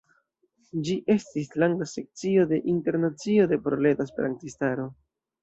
Ĝi estis landa sekcio de Internacio de Proleta Esperantistaro.